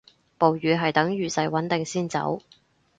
暴雨係等雨勢穩定先走